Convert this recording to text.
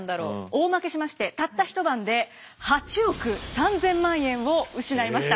大負けしましてたった一晩で８億３，０００万円を失いました。